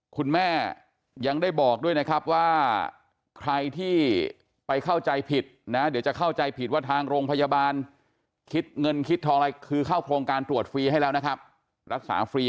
คุณแม่ยังได้บอกด้วยนะครับว่าใครที่ไปเข้าใจผิดนะเดี๋ยวจะเข้าใจผิดว่าทางโรงพยาบาลคิดเงินคิดทองอะไรคือเข้าโครงการตรวจฟรีให้แล้วนะครับรักษาฟรี